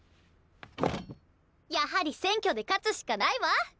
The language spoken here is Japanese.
やはり選挙で勝つしかないわ！